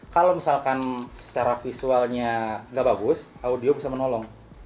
kalau misalkan secara visualnya nggak bagus audio bisa menolong